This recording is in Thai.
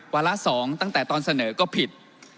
วาระ๒ตั้งแต่ตอนเสนอก็ผิด